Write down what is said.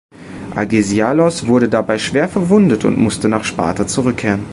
Agesilaos wurde dabei schwer verwundet und musste nach Sparta zurückkehren.